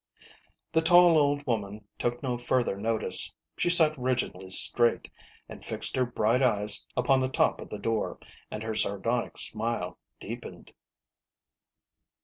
The tall old woman took no further notice. She sat rigidly straight, and fixed her bright eyes upon the top of the door, and her sardonic smile deepened.